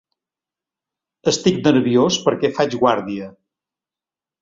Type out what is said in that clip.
Estic nerviós perquè faig guàrdia.